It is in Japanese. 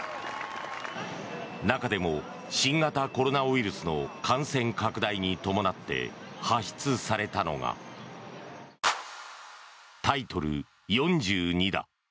中でも新型コロナウイルスの感染拡大に伴って発出されたのがタイトル４２だ。